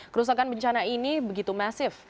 kerusakan bencana ini begitu masif